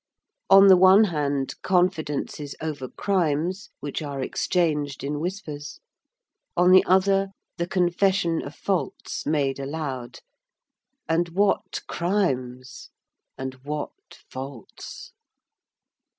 On the one hand, confidences over crimes, which are exchanged in whispers; on the other, the confession of faults made aloud. And what crimes! And what faults!